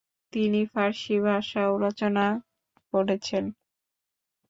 তিনি ফারসি ভাষায়ও রচনা করেছেন।